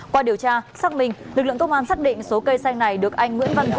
qua điều tra xác minh lực lượng công an xác định số cây xanh này được anh nguyễn văn vũ